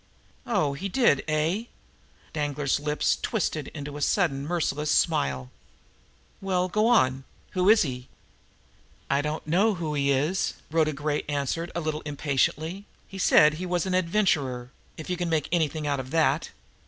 "Oh, he did, eh!" Danglar's lips twisted into a sudden, merciless smile. "Well, go on! Who is he?" "I don't know who he is," Rhoda Gray answered a little impatiently. "He said he was an adventurer if you can make anything out of that.